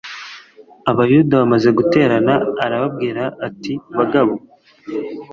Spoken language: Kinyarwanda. abayuda bamaze guterana arababwira ati bagabo